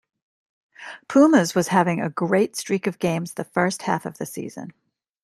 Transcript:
Pumas was having a great streak of games the first half of the season.